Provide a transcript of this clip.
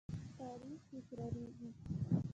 تاریخ تکراریږي